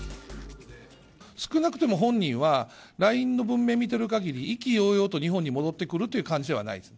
少なくとも本人は、ＬＩＮＥの文面見てるかぎり、意気揚々と日本に戻ってくるっていう感じではないです。